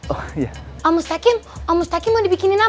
pak mustaqim pak mustaqim mau dibikinin apa